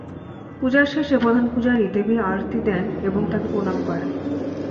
পূজার শেষে প্রধান পূজারি দেবীর আরতি দেন এবং তাঁকে প্রণাম করেন।